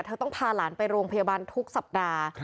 ต้องพาหลานไปโรงพยาบาลทุกสัปดาห์